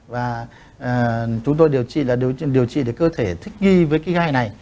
và chúng tôi điều trị là điều trị để cơ thể thích nghi với cái gai này